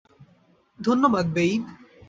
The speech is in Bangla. ধন্যবাদ, বেইব।